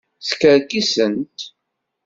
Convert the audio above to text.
Skerkisent.